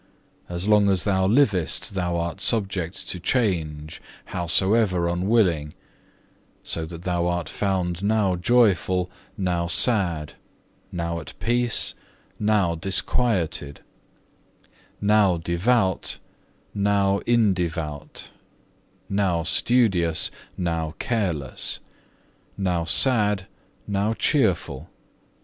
As long as thou livest thou art subject to change, howsoever unwilling; so that thou art found now joyful, now sad; now at peace, now disquieted; now devout, now indevout; now studious, now careless; now sad, now cheerful.